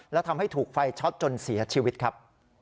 และทำให้ถูกไฟช็อตจนเสียชีวิตครับ